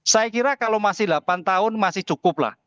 saya kira kalau masih delapan tahun masih cukup lah